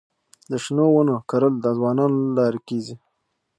د شنو ونو کرل د ځوانانو له لارې کيږي.